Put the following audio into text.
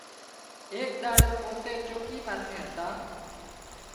ايڪ ڏاڙو پوتي چوڪي ماٿي هتا